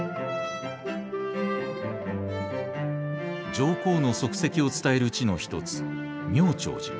上皇の足跡を伝える地の一つ名超寺。